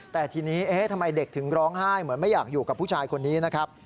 แต่ทีนี้ทำไมเด็กถึงร้องไห้เหมือนไม่อยากอยู่กับผู้ชายคนนี้นะครับ